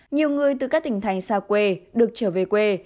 nhiều người từ các tỉnh thành xa quê được trở về quê